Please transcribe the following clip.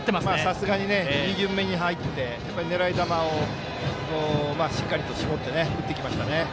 さすがに２巡目に入って狙い球をしっかりと絞って打ってきましたね。